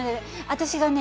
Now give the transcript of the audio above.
私がね